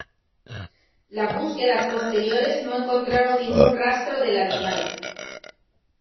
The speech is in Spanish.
Las búsquedas posteriores no encontraron ningún rastro del animal.